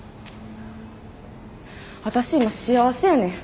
私今幸せやねん。